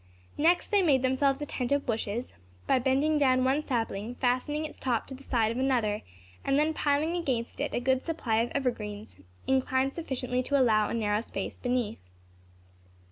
Next, they made themselves a tent of bushes, by bending down one sapling, fastening its top to the side of another, and then piling against it a good supply of evergreens, inclined sufficiently to allow a narrow space beneath.